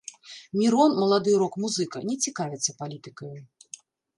Мірон, малады рок-музыка, не цікавіцца палітыкаю.